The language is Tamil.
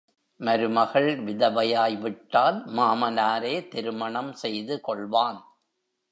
மருமகள் விதவையாய்விட்டால் மாமனாரே திருமணம் செய்துகொள்வான்.